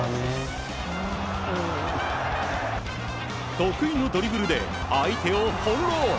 得意のドリブルで相手をほんろう。